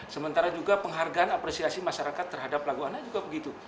sementara juga penghargaan apresiasi masyarakat terhadap lagu anak juga begitu